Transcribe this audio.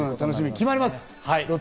決まります。